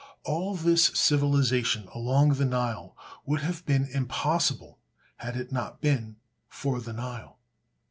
All this civilization along the Nile would have been impossible had it not been for the Nile.